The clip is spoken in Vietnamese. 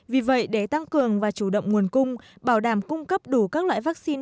vì vậy để tăng cường và chủ động nguồn cung bảo đảm cung cấp đủ các loại vaccine